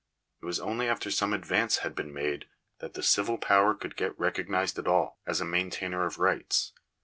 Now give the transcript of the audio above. It vras only after some advance had been made that the civil power could get recognised at all as a maintainer of rights.